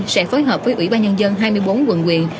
sẽ phối hợp với ủy ban nhân dân hai mươi bốn quận quyền